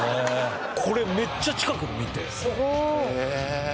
これめっちゃ近くで見て。